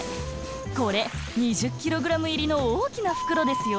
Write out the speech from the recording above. これ２０ｋｇいりの大きなふくろですよ。